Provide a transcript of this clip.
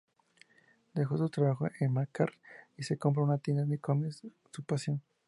Deja su trabajo en Q-Mart y se compra una tienda de cómics, su pasión.